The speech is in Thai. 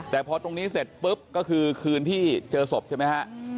แต่พอตรงนี้เสร็จปุ๊บก็คือคืนที่เจอศพใช่ไหมฮะ